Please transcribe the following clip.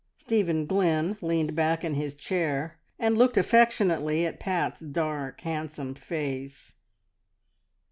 Stephen Glynn leaned back in his chair and looked affectionately at Pat's dark, handsome face.